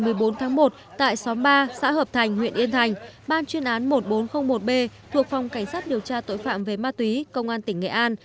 từ bốn tháng một tại xóm ba xã hợp thành huyện yên thành ban chuyên án một nghìn bốn trăm linh một b thuộc phòng cảnh sát điều tra tội phạm về ma túy công an tp nghệ an